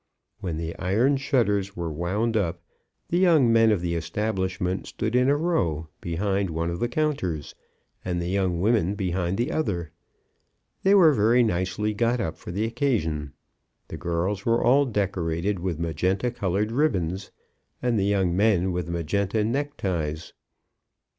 When the iron shutters were wound up, the young men of the establishment stood in a row behind one of the counters, and the young women behind the other. They were very nicely got up for the occasion. The girls were all decorated with magenta coloured ribbons, and the young men with magenta neckties.